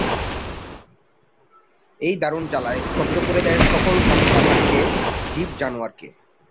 এই দারুণ জ্বালায় স্তব্ধ করে দেয় সকল পাখপাখালিকে, জীব-জানোয়ারকে।